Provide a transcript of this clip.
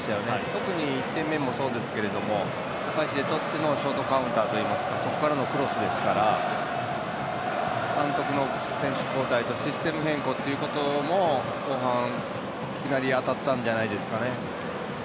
特に１点目もそうですけれども高い位置でとってのショートカウンターといいますかそこからのクロスですから監督の選手交代とシステム変更というところも後半、いきなり当たったんじゃないですかね。